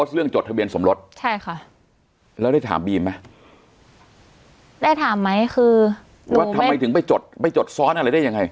เรื่องจดทะเบียนสมรสใช่ค่ะแล้วได้ถามบีมไหมได้ถามไหมคือว่าทำไมถึงไปจดไปจดซ้อนอะไรได้ยังไง